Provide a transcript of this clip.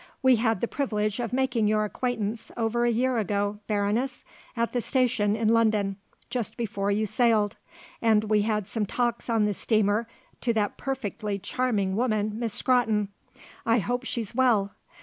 We had the privilege of making your acquaintance over a year ago, Baroness, at the station in London, just before you sailed, and we had some talks on the steamer to that perfectly charming woman, Miss Scrotton. I hope she's well.